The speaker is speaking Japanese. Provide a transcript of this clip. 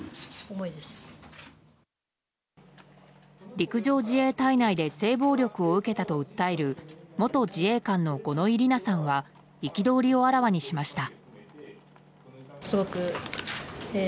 陸上自衛隊内で性暴力を受けたと訴える元自衛官の五ノ井里奈さんは憤りをあらわにしました。